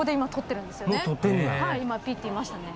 今ピッていいましたね。